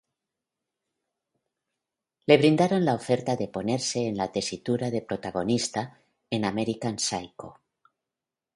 Le brindaron la oferta de ponerse en la tesitura de protagonista, en American Psycho.